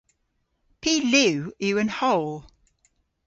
Py liw yw an howl?